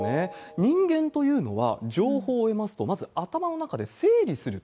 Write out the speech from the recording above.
人間というのは、情報を入れますと、まず、頭の中で整理すると。